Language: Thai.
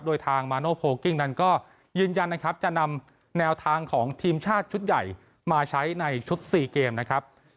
โดยทางมาโนโพลกิ้งนั้นก็ยืนยันนะครับจะนำแนวทางของทีมชาติชุดใหญ่มาใช้ในชุด๔เกมนะครับ